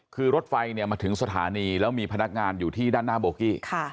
คือรถไฟมาถึงสถานีแล้วมีพนักงานอยู่ที่ด้านหน้าโบกี้